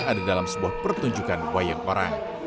ada dalam sebuah pertunjukan wayang orang